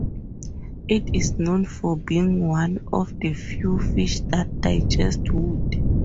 It is known for being one of the few fish that digest wood.